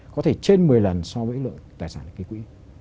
có thể trên một mươi lần so với lượng tài sản ký quỹ